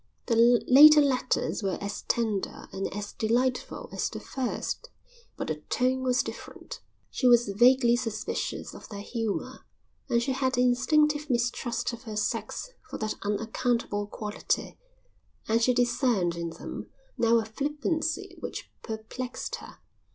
The later letters were as tender and as delightful as the first, but the tone was different. She was vaguely suspicious of their humour, she had the instinctive mistrust of her sex for that unaccountable quality, and she discerned in them now a flippancy which perplexed her.